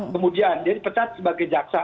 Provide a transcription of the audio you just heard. kemudian dia dipecat sebagai jaksa